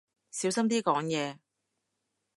小心啲講嘢